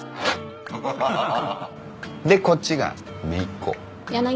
ハハハハでこっちがめいっ子。